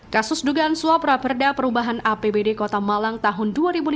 kasus dugaan suap raperda perubahan apbd kota malang tahun dua ribu lima belas